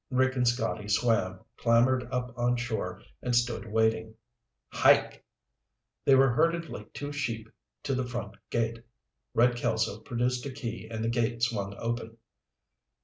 Rick and Scotty swam, clambered up on shore, and stood waiting. "Hike." They were herded like two sheep to the front gate. Red Kelso produced a key and the gate swung open.